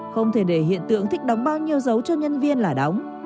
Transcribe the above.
không thể để hiện tượng thích đóng bao nhiêu dấu cho nhân viên là đóng